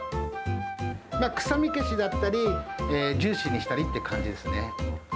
臭み消しだったり、ジューシーにしたりって感じですね。